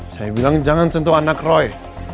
saya bilang jangan sentuh anak roy